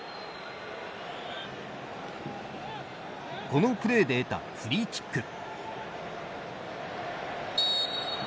このプレーで得たフリーキック。